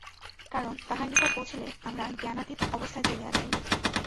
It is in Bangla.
কারণ তাঁহার নিকট পৌঁছিলে আমরা জ্ঞানাতীত অবস্থায় চলিয়া যাই।